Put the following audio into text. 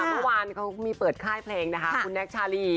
เมื่อวานมันเค้ามีเปิดข้ายเพลงคุณแนคชาลี